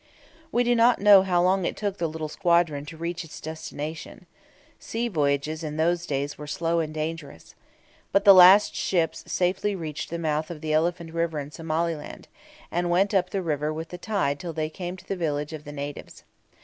We do not know how long it took the little squadron to reach its destination. Sea voyages in those days were slow and dangerous. But at last the ships safely reached the mouth of the Elephant River in Somaliland, and went up the river with the tide till they came to the village of the natives.